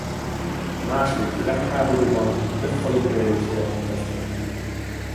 A második világháborúban több falubeli is életét vesztette.